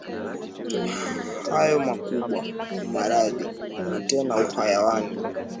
Hayo makubwa maradhi, na tena uhayawani